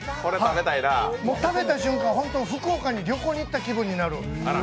食べた瞬間、福岡に旅行に行った気分になる。